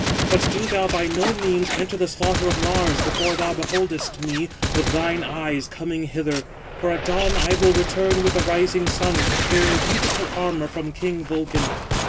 But do thou by no means enter the slaughter of Mars before thou beholdest me with thine eyes coming hither. For at dawn I will return with the rising sun, bearing beautiful armour from king Vulcan."